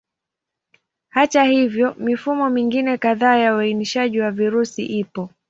Hata hivyo, mifumo mingine kadhaa ya uainishaji wa virusi ipo.